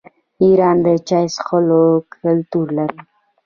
ایران د چای څښلو کلتور لري.